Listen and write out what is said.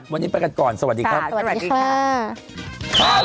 วันนี้ไปกันก่อนสวัสดีครับ